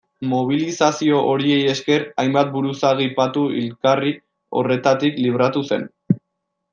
Mobilizazio horiei esker hainbat buruzagi patu hilgarri horretatik libratu zen.